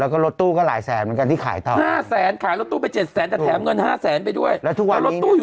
แล้วก็รถแต้งก็หลายแสนเหมือนกันที่ขายค่ะ